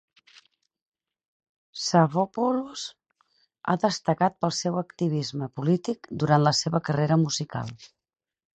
Savvopoulos ha destacat pel seu activisme polític durant la seva carrera musical.